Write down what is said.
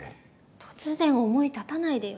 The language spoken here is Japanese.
突然思い立たないでよ。